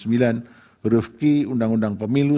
berufqi undang undang pemilu